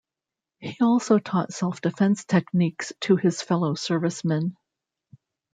He also taught self-defense techniques to his fellow servicemen.